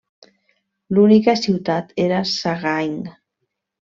L'única ciutat era Sagaing.